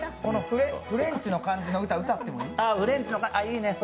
フレンチの感じの歌歌ってもいい？